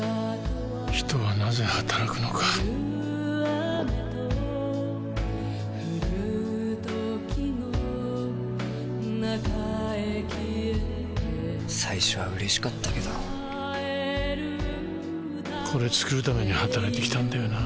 人はなぜ働くのかゴクッ最初は嬉しかったけどこれ作るために働いてきたんだよな